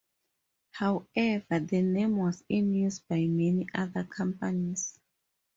However, the name was in use by many other companies.